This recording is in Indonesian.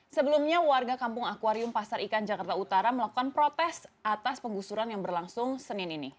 sebelumnya warga kampung akwarium pasar ikan jakarta utara melakukan protes atas penggusuran yang berlangsung senin ini